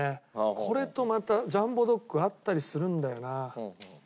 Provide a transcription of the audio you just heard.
これとまたジャンボドック合ったりするんだよな。